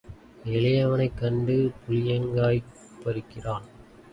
எளியவனைக் கண்டு புளியங்காய் பறிக்கிறான்.